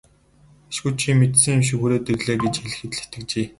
Ашгүй чи мэдсэн юм шиг хүрээд ирлээ гэж хэлэхэд л итгэжээ.